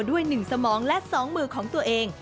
ด้วยหนึ่งสมองและสองมือของตัวเอง